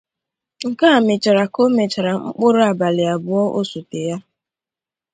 Nke a mere ka o mechara mkpụrụ abalị abụọ osote ya